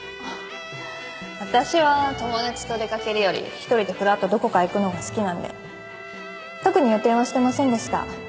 私は友達と出かけるより１人でふらっとどこかへ行くのが好きなんで特に予定はしてませんでした。